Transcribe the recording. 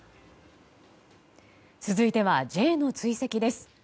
続いてはＪの追跡です。